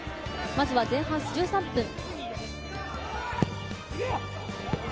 まずは前半１３分。